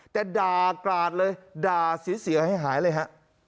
แต่ด่ากราดเลยด่าเสียให้หายเลยฮะ